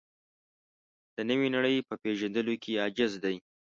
د نوې نړۍ په پېژندلو کې عاجز دی.